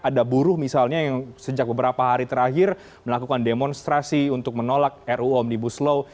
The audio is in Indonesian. ada buruh misalnya yang sejak beberapa hari terakhir melakukan demonstrasi untuk menolak ruu omnibus law